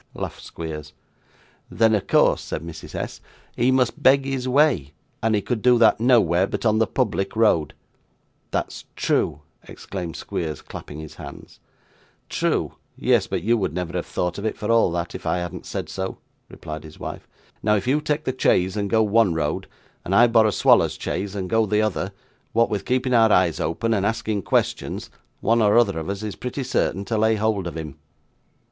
laughed Squeers. 'Then, of course,' said Mrs. S., 'he must beg his way, and he could do that, nowhere, but on the public road.' 'That's true,' exclaimed Squeers, clapping his hands. 'True! Yes; but you would never have thought of it, for all that, if I hadn't said so,' replied his wife. 'Now, if you take the chaise and go one road, and I borrow Swallow's chaise, and go the other, what with keeping our eyes open, and asking questions, one or other of us is pretty certain to lay hold of him.